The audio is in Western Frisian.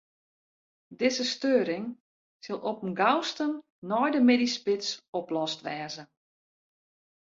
Dizze steuring sil op 'en gausten nei de middeisspits oplost wêze.